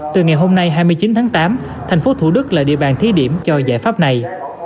từ ngày hôm nay hai mươi chín tháng tám thành phố thủ đức là địa bàn thí điểm cho giải pháp này